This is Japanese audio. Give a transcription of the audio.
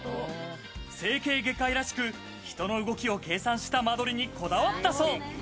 整形外科医らしく、人の動きを計算した間取りにこだわったそう。